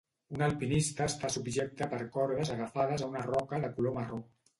Un alpinista està subjecte per cordes agafades a una roca de color marró.